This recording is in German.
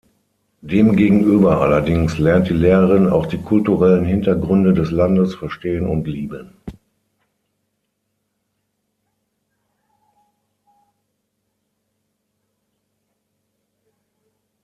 Demgegenüber allerdings lernt die Lehrerin auch die kulturellen Hintergründe des Landes verstehen und lieben.